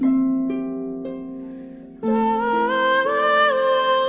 อ๋อมันก็แทบจะไม่ได้รับเหมือนเดียว